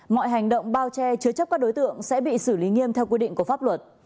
mọi hành động bao che chứa chấp các đối tượng sẽ bị xử lý nghiêm theo quy định của pháp luật